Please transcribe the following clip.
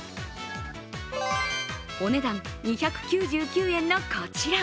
お値段２９９円のこちら。